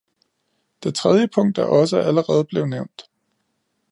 Det tredje punkt er også allerede blevet nævnt.